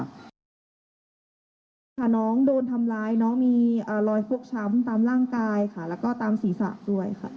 ค่ะน้องโดนทำร้ายน้องมีรอยฟกช้ำตามร่างกายค่ะแล้วก็ตามศีรษะด้วยค่ะ